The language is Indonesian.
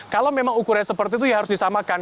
kalau memang ukuran seperti itu ya harus disamakan